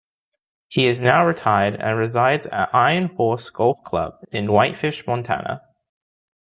He is now retired and resides at Iron Horse Golf Club in Whitefish, Montana.